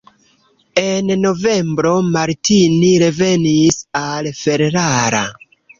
En novembro Martini revenis al Ferrara.